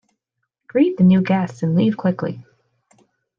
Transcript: Greet the new guests and leave quickly.